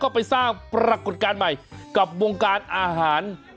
ก็ไปสร้างปรากฏการณ์ใหม่กับวงการอาหาร